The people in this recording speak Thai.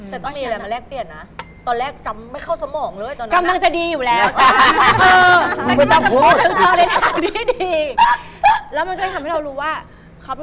แต่ตอนนี้มันแรกเปลี่ยนนะตอนแรกจำไม่เข้าสมองเลยตอนหน้ากำลังจะดีอยู่แหละ